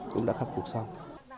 cơ bản đã khắc phục xong